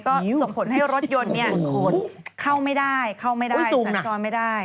ก็ส่งผลให้รถยนต์นี้เข้าไม่ได้สันจรไม่ได้